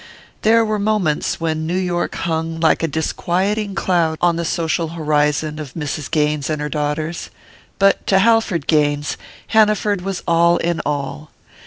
There were moments when New York hung like a disquieting cloud on the social horizon of Mrs. Gaines and her daughters; but to Halford Gaines Hanaford was all in all.